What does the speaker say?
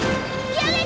やめて！！